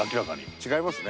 違いますね。